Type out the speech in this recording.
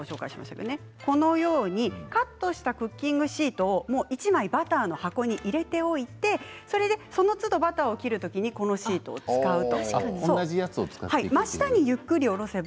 カットしたクッキングシートを１枚バターの箱に入れておいてそのつど、バターを切る時にそのシートを使うと。